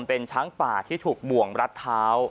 เป็นช้างป่าที่ถูกบ่วงรัดเท้า